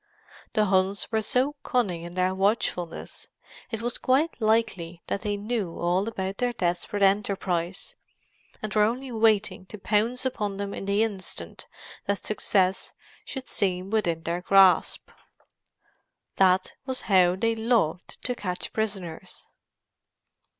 The Huns were so cunning in their watchfulness; it was quite likely that they knew all about their desperate enterprise, and were only waiting to pounce upon them in the instant that success should seem within their grasp. That was how they loved to catch prisoners.